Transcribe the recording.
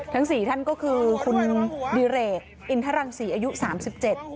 ทั้งสี่ท่านก็คือคุณดิเรกอินทรังศรีอายุสามสิบเจ็ด